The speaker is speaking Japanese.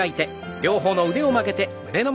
両方の腕を曲げて胸の前。